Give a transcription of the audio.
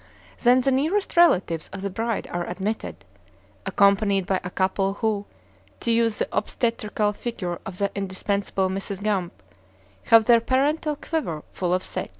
Then the nearest relatives of the bride are admitted, accompanied by a couple who, to use the obstetrical figure of the indispensable Mrs. Gamp, have their parental quiver "full of sich."